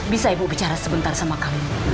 bisa ibu bicara sebentar sama kalian